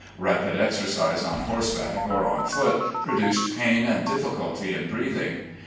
Rapid exercise on horse back or on foot produced pain and difficulty in breathing.